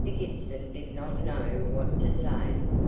Gibson did not know what to say.